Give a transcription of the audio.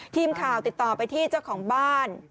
ทีมข่าวติดต่อไปที่เจ้าของบ้าน